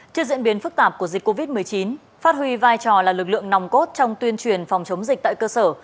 trước diễn biến phức tạp của dịch covid một mươi chín phát huy vai trò là lực lượng nòng cốt trong tuyên truyền phòng chống dịch tại cơ sở